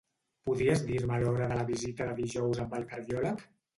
Podries dir-me l'hora de la visita de dijous amb el cardiòleg?